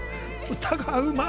歌がうまい。